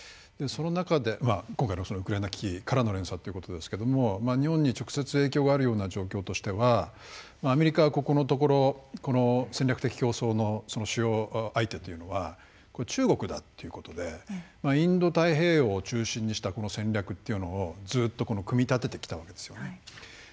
その中で今回のウクライナ危機からの連鎖ということですけども日本に直接影響があるような状況としてはアメリカはここのところこの戦略的競争の主要相手というのは中国だっていうことでインド太平洋を中心にしたこの戦略っていうのをずっと組み立ててきたわけですよね。